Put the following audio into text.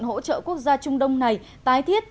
hỗ trợ quốc gia trung đông này tái thiết